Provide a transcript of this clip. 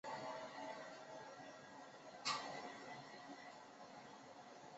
象神转为向东北方向移动。